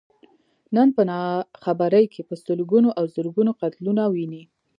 نن په ناخبرۍ کې په سلګونو او زرګونو قتلونه ويني.